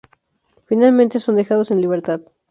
Finalmente son dejados en libertad.